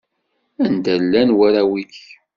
Anda llan warraw-ik?